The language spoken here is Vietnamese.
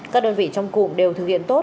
các đơn vị trong cụm đều thực hiện tốt